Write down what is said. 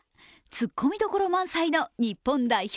ツッコミどころ満載の日本代表